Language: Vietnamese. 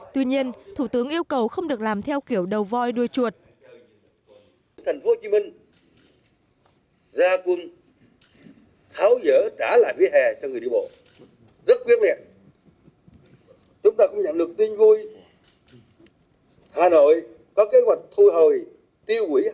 tuy nhiên thủ tướng yêu cầu không được làm theo kiểu đầu voi đuôi chuột